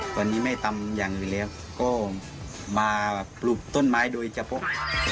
ตัวนี้ไม่ตำยังหรือเรียกก็มาปลูกต้นไม้โดยเจ้าพก